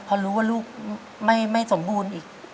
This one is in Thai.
พอรู้ว่าลูกไม่สมบูรณ์อีก